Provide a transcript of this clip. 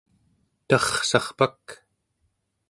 tarsarpak